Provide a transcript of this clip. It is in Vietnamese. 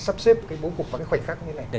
sắp xếp cái bố cục và cái khoảnh khắc như thế này